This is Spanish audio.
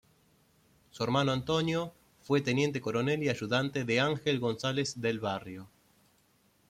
Su hermano Antonio, fue teniente coronel y ayudante de Ángel González del Barrio.